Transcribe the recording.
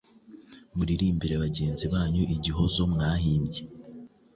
Muririmbire bagenzi banyu igihozo mwahimbye.